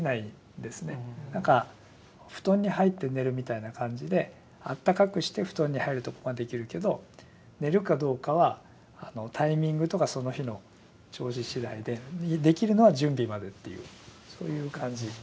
なんか布団に入って寝るみたいな感じであったかくして布団に入るとこまでいけるけど寝るかどうかはタイミングとかその日の調子次第でできるのは準備までっていうそういう感じ。